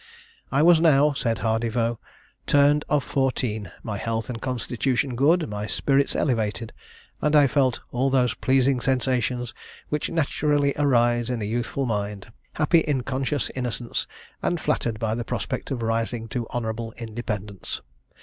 "I was now," said Hardy Vaux, "turned of fourteen; my health and constitution good, my spirits elevated, and I felt all those pleasing sensations which naturally arise in a youthful mind, happy in conscious innocence, and flattered by the prospect of rising to honourable independence.